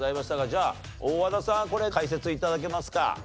じゃあ大和田さんこれ解説頂けますか？